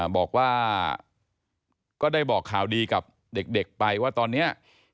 บอกว่าก็ได้บอกข่าวดีกับเด็กไปว่าตอนนี้